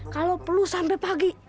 kalau perlu sampai pagi